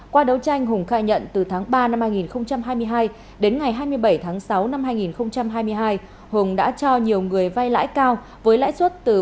qua đấu tranh hùng khai nhận từ tháng ba năm hai nghìn hai mươi hai đến ngày hai mươi bảy tháng sáu năm hai nghìn hai mươi hai hùng đã cho nhiều người vay lãi cao với lãi suất từ ba mươi